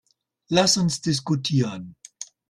Lass uns diskutieren.